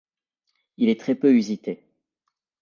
Il est très peu usité.